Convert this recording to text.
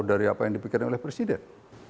dari apa yang dipikirkan oleh presiden